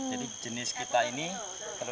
jadi jenis kita ini kelulut